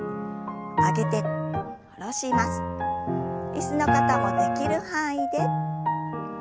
椅子の方もできる範囲で。